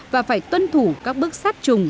và phải tuân thủ các bước sát trùng